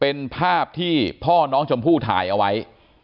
เป็นภาพที่พ่อน้องชมพู่ถ่ายเอาไว้